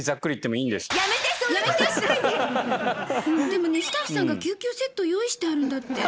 でもスタッフさんが救急セット用意してあるんだって。